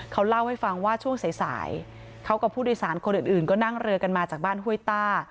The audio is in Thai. เขาเล่าให้ฟังว่าช่วงสายเขากับผู้โดยสารคนอื่นก็นั่งเรือกันมาจากบ้านห้วยต้า